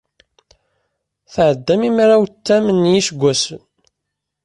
Tɛeddam i mraw tam n yiseggasen?